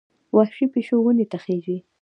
وحشي پیشو ونې ته خېژي.